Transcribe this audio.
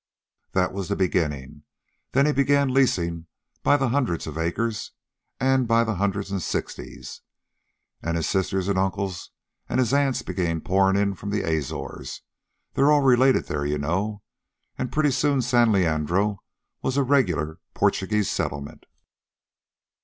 That was the beginnin'. Then he began leasin' by the hundreds of acres, an' by the hundred an' sixties. An' his sisters an' his uncles an' his aunts begun pourin' in from the Azores they're all related there, you know; an' pretty soon San Leandro was a regular Porchugeeze settlement.